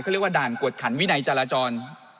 เขาเรียกว่าด่านกวดขันวินัยจราจร